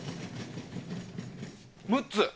６つ。